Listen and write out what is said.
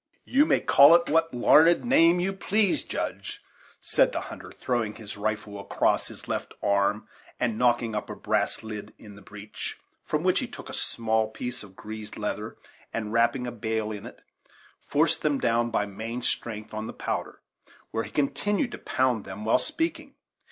"You may call it by what larned name you please, Judge," said the hunter, throwing his rifle across his left arm, and knocking up a brass lid in the breech, from which he took a small piece of greased leather and, wrapping a bail in it, forced them down by main strength on the powder, where he continued to pound them while speaking.